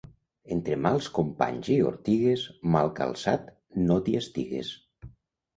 Entre mals companys i ortigues, mal calçat no t'hi estigues.